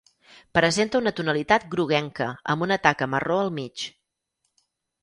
Presenta una tonalitat groguenca amb una taca marró al mig.